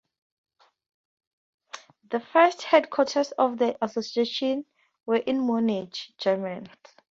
The first headquarters of the association were in Munich, Germany.